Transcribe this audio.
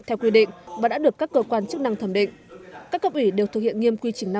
theo quy định và đã được các cơ quan chức năng thẩm định các cấp ủy đều thực hiện nghiêm quy trình